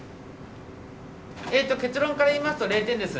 結論から言いますと０点です。